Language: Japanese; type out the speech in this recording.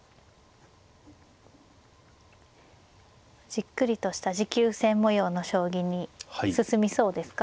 じっくりとした持久戦模様の将棋に進みそうですか。